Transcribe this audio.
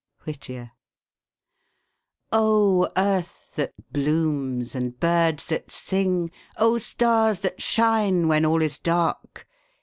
Whittier. O earth that blooms and birds that sing, O stars that shine when all is dark!